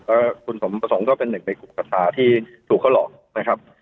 แล้วคุณสมประสงค์ก็เป็นหนึ่งในกลุ่มคาถาที่ถูกเขาหลอกนะครับ